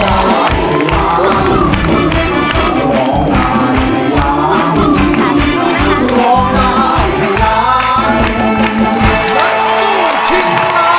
และผู้ชิมมารัง